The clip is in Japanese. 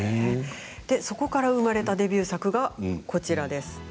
で、そこから生まれたデビュー作がこちらです。